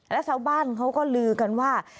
แล้วชาวบ้านเขาก็ลือกันว่า